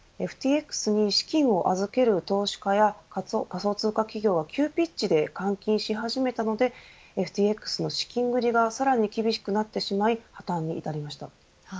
ＦＴＸに資金を預ける投資家や仮想通貨企業が急ピッチで換金し始めたのでＦＴＸの資金繰りがさらに厳しくなってしまい破綻に至りました。